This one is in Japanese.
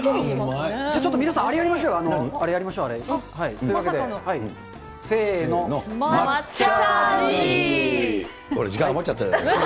じゃあちょっと、皆さん、あれやりましょうよ、あれやりましょう。というわけで、せーの、時間余っちゃったじゃない。